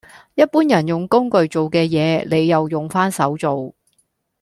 一般人用工具做嘅嘢，你又用返手做